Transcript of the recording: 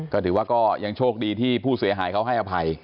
ก็ถือว่าก็ยังโชคดีที่ผู้เสียหายเขาให้อภัย